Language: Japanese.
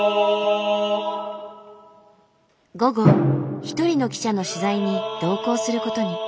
午後一人の記者の取材に同行することに。